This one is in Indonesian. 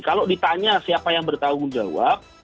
kalau ditanya siapa yang bertanggung jawab